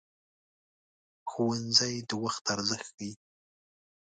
ښوونځی د وخت ارزښت ښيي